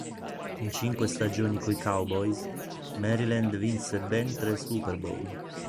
In cinque stagioni coi Cowboys, Maryland vinse ben tre Super Bowl.